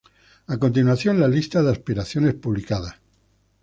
A continuación la lista de aspiraciones publicadas.